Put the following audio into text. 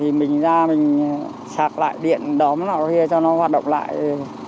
thì mình ra mình sạc lại điện đóm nào kia cho nó hoạt động lại